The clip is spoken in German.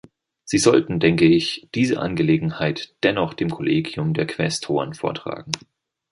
Sie sollten, denke ich, diese Angelegenheit dennoch dem Kollegium der Quästoren vortragen.